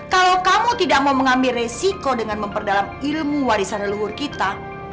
kalau kamu tidak mau mengambil resiko dengan memperdalam ilmu warisan leluhur kita